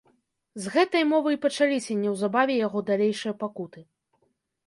З гэтай мовы і пачаліся неўзабаве яго далейшыя пакуты.